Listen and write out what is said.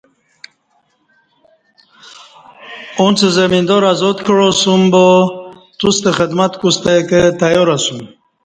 اُݩڅ زمیدارہ ازاد کعاسُوم با تُوستہ خدمت کوستہ کہ تیار اسُوم